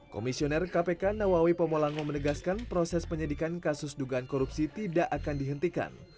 komisioner kpk nawawi pomolango menegaskan proses penyidikan kasus dugaan korupsi tidak akan dihentikan